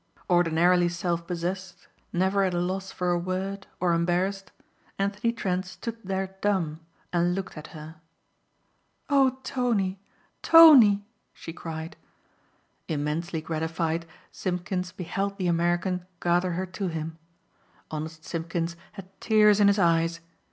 Ordinarily self possessed, never at a loss for a word or embarrassed, Anthony Trent stood there dumb and looked at her. "Oh Tony, Tony!" she cried. Immensely gratified, Simpkins beheld the American gather her to him. Honest Simpkins had tears in his eyes.